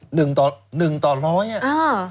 หนึ่งต่อร้อยอ่ะ